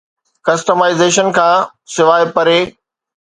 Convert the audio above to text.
customisation کان سواء پري